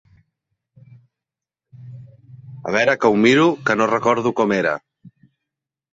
A veure que ho miro que no recordo com era.